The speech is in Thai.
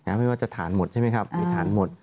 ไม่ว่าจะฐานหมดใช่ไหมครับหรือฐานหมด